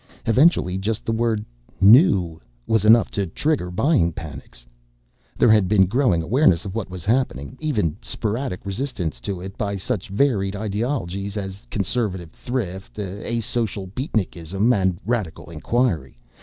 Eventually just the word "NEW" was enough to trigger buying panics. There had been growing awareness of what was happening, even sporadic resistance to it by such varied ideologies as Conservative Thrift, Asocial Beatnikism and Radical Inquiry.